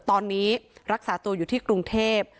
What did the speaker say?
ตอนนี้รักษาตัวอยู่ที่กรุงเทพ